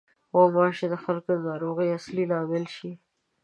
غوماشې د خلکو د ناروغۍ اصلي لامل شي.